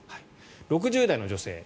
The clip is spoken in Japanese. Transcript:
６０代の女性